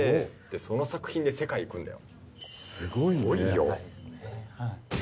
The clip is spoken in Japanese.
その作品で世界行くんだよ。